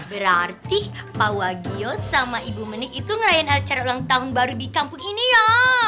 berarti pak wagio sama ibu menik itu ngerayain acara ulang tahun baru di kampung ini ya